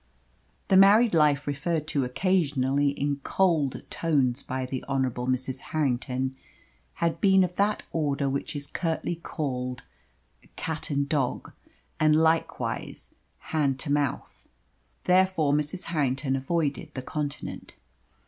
The married life referred to occasionally in cold tones by the Honourable Mrs. Harrington had been of that order which is curtly called "cat and dog," and likewise "hand to mouth." Therefore Mrs. Harrington avoided the Continent.